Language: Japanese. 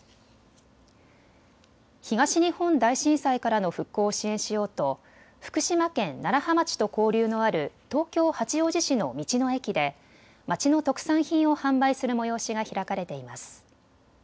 東日本大震災からの復興を支援しようと福島県楢葉町と交流のある東京八王子市の道の駅で町の特産品を販売する催しが開かれています。